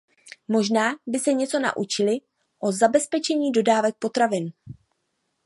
Možná by se něco naučili o zabezpečení dodávek potravin.